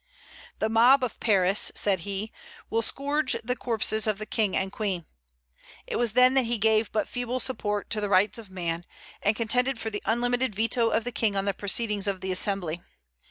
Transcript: "The mob of Paris," said he, "will scourge the corpses of the King and Queen." It was then that he gave but feeble support to the "Rights of Man," and contended for the unlimited veto of the King on the proceedings of the Assembly.